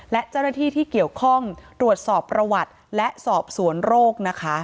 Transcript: และเจ้าหน้าที่ที่เกี่ยวข้องตรวจสอบประวัติและสอบสวนโรคนะคะ